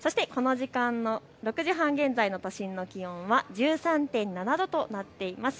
そしてこの時間の６時半現在の都心の気温は１３．７度となっています。